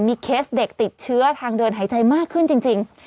มีเคสเด็กติดเชื้อทางเดินหายใจมากขึ้นจริง